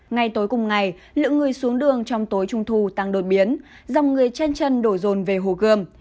ngay tối cùng ngày lượng người xuống đường trong tối trung thu tăng đột biến dòng người trên chân đổ rồn về hồ gươm